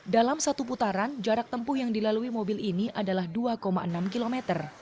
dalam satu putaran jarak tempuh yang dilalui mobil ini adalah dua enam km